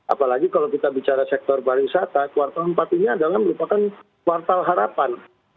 apalagi kalau kita bicara sektor pariwisata kuartal empat ini adalah merupakan kuartal harapan